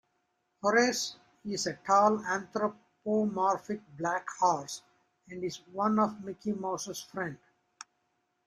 Horace is a tall anthropomorphic black horse and is one of Mickey Mouse's friends.